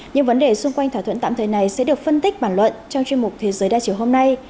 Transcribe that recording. những vấn đề xung quanh thỏa thuận tạm thời này sẽ được phân tích bản luận trong chuyên mục thế giới đa chiều hôm nay